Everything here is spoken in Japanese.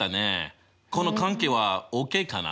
この関係はＯＫかな？